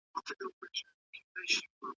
مدافع وکیلان د نړیوالو بشري حقونو ملاتړ نه لري.